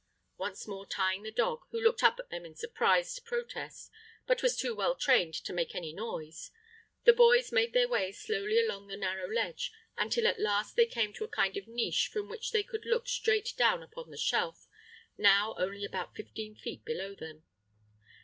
Once more tying the dog, who looked up at them in surprised protest, but was too well trained to make any noise, the boys made their way slowly along the narrow ledge, until at last they came to a kind of niche from which they could look straight down upon the shelf, now only about fifteen feet below them.